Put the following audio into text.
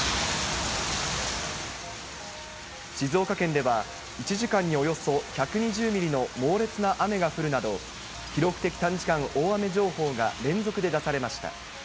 静岡県では、１時間におよそ１２０ミリの猛烈な雨が降るなど、記録的短時間大雨情報が連続で出されました。